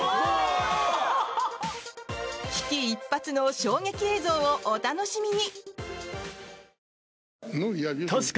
危機一髪の衝撃映像をお楽しみに！